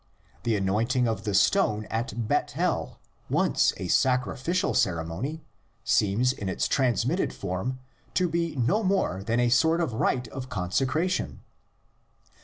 The anointing of the stone at Bethel, once a sacrificial ceremony, seems in its transmitted form to be no more than a sort of rite of consecration.